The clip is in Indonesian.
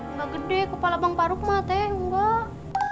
enggak gede kepala bang paruk mah teh enggak